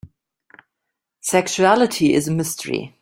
Sexuality is a mystery.